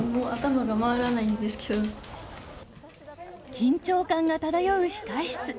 緊張感が漂う控え室。